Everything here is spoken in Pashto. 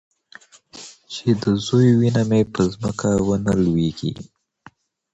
چې د زوى وينه مې په ځمکه ونه لوېږي.